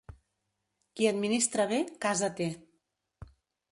Qui administra bé, casa té.